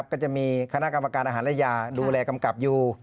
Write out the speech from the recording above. ก็จะมีคณะกรรมการอาหารและยาดูแลกำกับอยู่